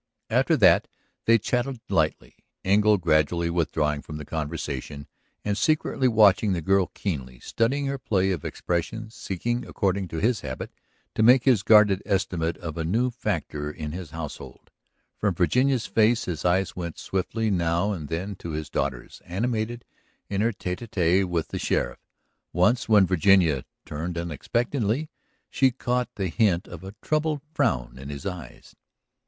After that they chatted lightly, Engle gradually withdrawing from the conversation and secretly watching the girl keenly, studying her play of expression, seeking, according to his habit, to make his guarded estimate of a new factor in his household. From Virginia's face his eyes went swiftly now and then to his daughter's, animated in her tête à tête with the sheriff. Once, when Virginia turned unexpectedly, she caught the hint of a troubled frown in his eyes.